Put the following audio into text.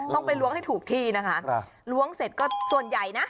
ต้องไปล้วงให้ถูกที่นะคะล้วงเสร็จก็ส่วนใหญ่นะ